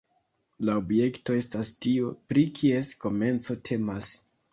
La objekto estas tio, pri kies komenco temas.